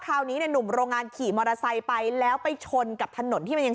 คราวนี้เนี่ยหนุ่มโรงงานขี่มอเตอร์ไซค์ไปแล้วไปชนกับถนนที่มันยัง